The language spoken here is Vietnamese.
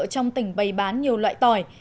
trong tỉnh bày bán nhiều loại tỏi